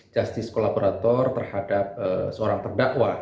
justice kolaborator terhadap seorang terdakwa